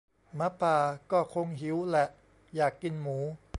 หมาป่าก็คงหิวแหละ อยากกินหมู